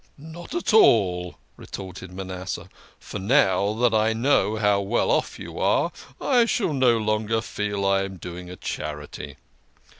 "Not at all," re torted Manasseh, "for now that I know how well off you are I shall no longer feel I am doing a charity."